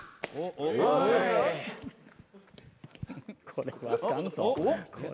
これはあかんぞ。